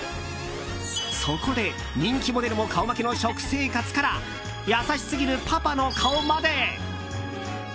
そこで人気モデルも顔負けの食生活から優しすぎるパパの顔まで。